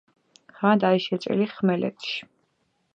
ღრმად არის შეჭრილი ხმელეთში.